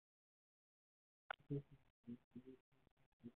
Миний бие Хуванхэхү хатнаас юуны тулд алт авах билээ?